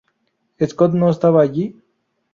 Scott no estaba allí.